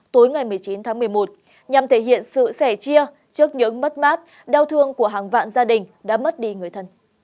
tối ngày một mươi chín tháng một mươi một nhằm thể hiện sự sẻ chia trước những mất mát đau thương của hàng vạn gia đình đã mất đi người thân